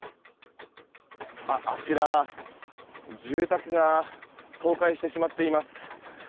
あちら、住宅が倒壊してしまっています。